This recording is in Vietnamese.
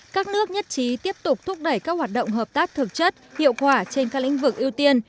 các nước nhất trí tiếp tục thúc đẩy các hoạt động hợp tác thực chất hiệu quả trên các lĩnh vực ưu tiên